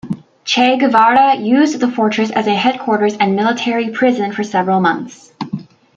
Che Guevara used the fortress as a headquarters and military prison for several months.